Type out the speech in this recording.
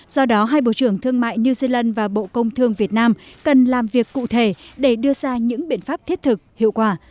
do đó hai bộ trưởng thương mại new zealand và bộ công thương việt nam cần làm việc cụ thể để đưa ra những biện pháp thiết thực hiệu quả